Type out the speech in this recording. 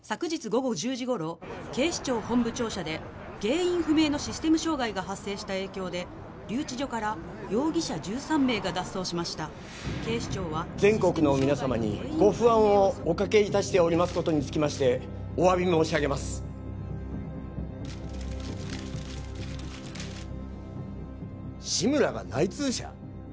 午後１０時頃警視庁本部庁舎で原因不明のシステム障害が発生した影響で留置場から容疑者１３名が脱走しました警視庁は全国の皆様にご不安をおかけいたしておりますことにつきましてお詫び申し上げます志村が内通者！？